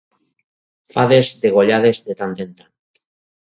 Fades degollades de tant en tant.